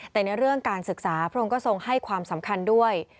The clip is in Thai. แต่ในเรื่องการศึกษาพระองค์ก็ทรงให้ความสำคัญด้วย